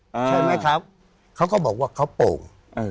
ใช่ไหมครับเขาก็บอกว่าเขาโป่ง